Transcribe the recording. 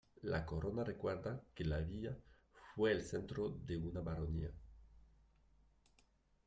La corona recuerda que la villa fue el centro de una baronía.